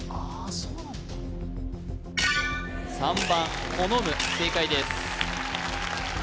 ３番このむ正解です